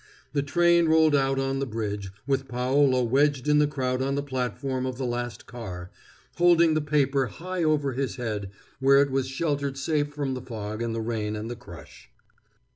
The train rolled out on the bridge, with Paolo wedged in the crowd on the platform of the last car, holding the paper high over his head, where it was sheltered safe from the fog and the rain and the crush.